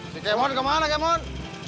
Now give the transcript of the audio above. si kemon kemana kemon